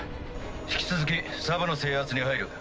引き続きサブの制圧に入る。